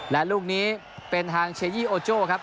และลูกนี้เป็นทางเชยี่โอโจ้ครับ